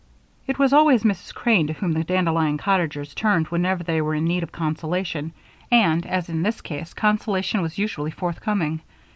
It was always Mrs. Crane to whom the Dandelion Cottagers turned whenever they were in need of consolation and, as in this case, consolation was usually forthcoming.